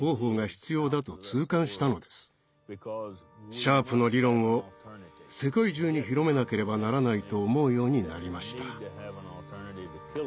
シャープの理論を世界中に広めなければならないと思うようになりました。